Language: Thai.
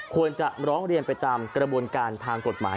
ควรจะร้องเรียนไปตามกระบวนการทางกฎหมาย